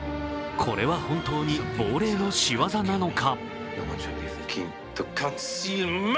これは本当に亡霊のしわざなのか。